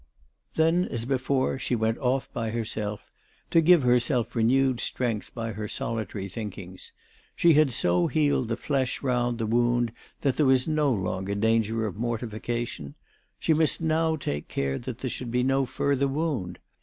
Then, as before, she went off by herself, 406 ALICE DUGDALE. to give herself renewed strength by her solitary thinkings. She had so healed the flesh round that wound that there was no longer danger of mortifica tion. She must now take care that there should be no further wound.